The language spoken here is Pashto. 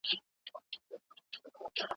د ملکیار د سندرې هر بند له پنځو لنډو جملو جوړ دی.